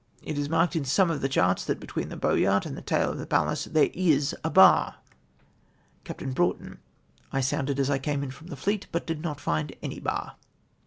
It is marked in some of the charts that between the Boyart and the tail of the Pallas there is a bar I " Capt. Broughton. —" I sounded as I came in from the fleet but did not find any bar."